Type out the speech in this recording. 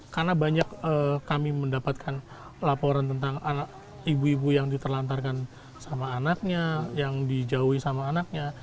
karena banyak kami mendapatkan laporan tentang ibu ibu yang diterlantarkan sama anaknya yang dijauhi sama anaknya